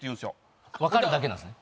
わかるだけなんですね。